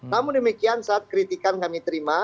namun demikian saat kritikan kami terima